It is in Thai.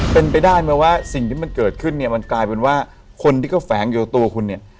เป็นไปได้ไหมว่าสิ่งที่มันเกิดขึ้นเนี่ยมันกลายเป็นว่าคนที่เขาแฝงอยู่กับตัวคุณเนี่ย